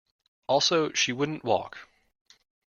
Also, she wouldn't walk.